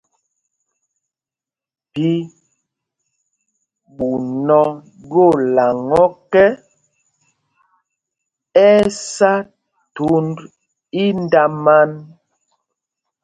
Phī ɛ̂ ɓuu nɔ ɗwoolaŋ ɔ́kɛ, ɛ́ ɛ́ sá thund índamān.